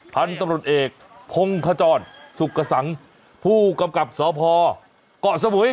พันธุ์ตำรวจเอกพงขจรสุขสังผู้กำกับสพเกาะสมุย